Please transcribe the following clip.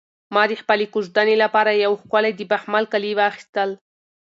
ما د خپلې کوژدنې لپاره یو ښکلی د بخمل کالي واخیستل.